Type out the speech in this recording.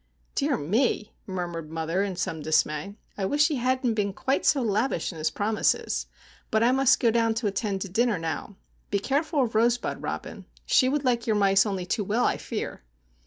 "Dear me!" murmured mother, in some dismay. "I wish he hadn't been quite so lavish in his promises. But I must go down to attend to dinner now. Be careful of Rosebud, Robin. She would like your mice only too well, I fear."